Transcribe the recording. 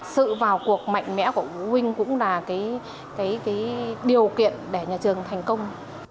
sự vào cuộc mạnh mẽ của phụ huynh cũng là điều kiện để nhà trường thành công